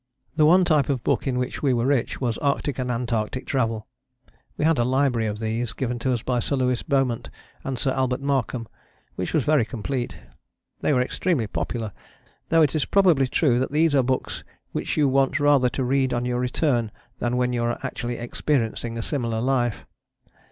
The one type of book in which we were rich was Arctic and Antarctic travel. We had a library of these given to us by Sir Lewis Beaumont and Sir Albert Markham which was very complete. They were extremely popular, though it is probably true that these are books which you want rather to read on your return than when you are actually experiencing a similar life.